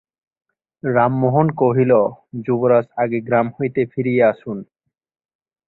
রামমোহন কহিল, যুবরাজ আগে গ্রাম হইতে ফিরিয়া আসুন।